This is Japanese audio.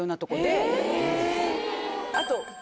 あと。